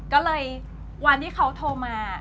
ก็เลยวันที่เขาโทรมา